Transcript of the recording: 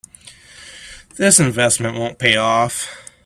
This investment won't pay off.